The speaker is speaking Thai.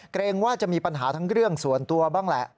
เกรงว่าจะมีปัญหาทั้งเรื่องส่วนตัวบ้างแหละ